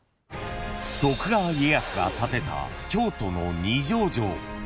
［徳川家康が建てた京都の二条城］